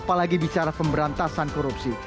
apalagi bicara pemberantasan korupsi